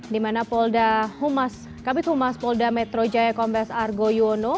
di mana kabit humas polda metro jaya kombes argo yono